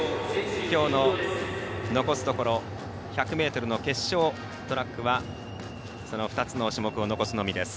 きょうの残すところ１００ｍ決勝トラックはその２つの種目を残すのみです。